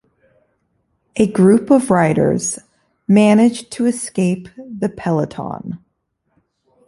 A group of riders managed to escape the peloton.